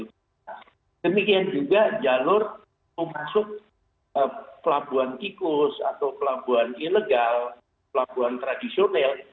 nah demikian juga jalur masuk pelabuhan tikus atau pelabuhan ilegal pelabuhan tradisional